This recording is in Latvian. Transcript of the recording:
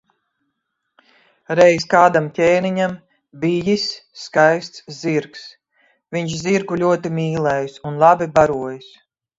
Reiz kādam ķēniņam bijis skaists zirgs, viņš zirgu ļoti mīlējis un labi barojis.